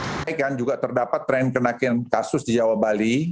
mereka juga terdapat tren kenaikan kasus di jawa bali